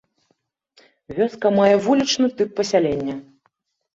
Вёска мае вулічны тып пасялення.